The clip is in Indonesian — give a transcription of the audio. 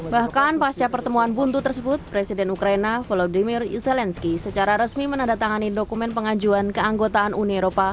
bahkan pasca pertemuan buntu tersebut presiden ukraina volodymyr zelensky secara resmi menandatangani dokumen pengajuan keanggotaan uni eropa